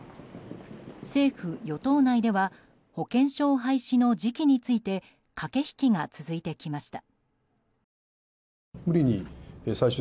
政府・与党内では保険証廃止の時期について駆け引きが続いてきました。